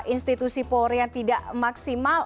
institusi polri yang tidak maksimal